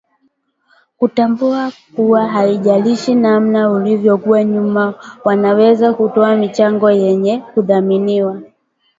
kutambua kuwa haijalishi namna ulivyokuwa nyuma wanaweza kutoa michango yenye kuthaminiwa